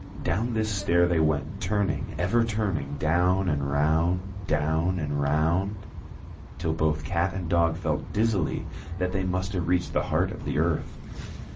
Down this stair they went, turning, ever turning, down and round, down and round, till both cat and dog felt dizzily that they must have reached the heart of the earth.